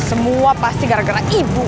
semua pasti gara gara ibu